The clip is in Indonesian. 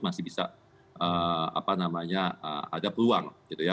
masih bisa ada peluang